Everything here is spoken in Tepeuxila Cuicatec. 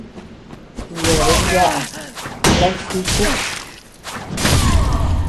Yeabean yaʼa lantíku.